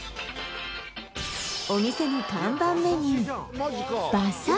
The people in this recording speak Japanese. お店の看板メニュー